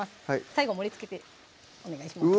最後盛りつけてお願いします